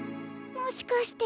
もしかして。